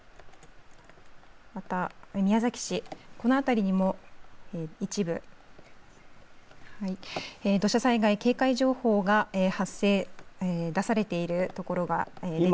また宮崎市、この辺りにも一部、土砂災害警戒情報が発生出されているところがあります。